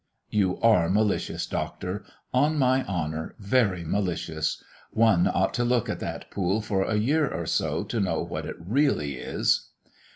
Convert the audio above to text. "You are malicious, Doctor. On my honour, very malicious! One ought to look at that pool for a year or so to know what it really is."